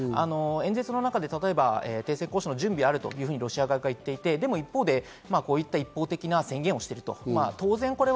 演説の中で例えば、停戦交渉の準備があるとロシア側が言って、一方で、一方的な宣言をしている。